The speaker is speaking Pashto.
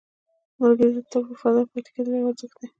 ملګری ته وفادار پاتې کېدل یو ارزښت دی